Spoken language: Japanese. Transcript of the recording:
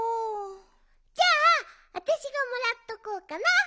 じゃわたしがもらっとこうかな。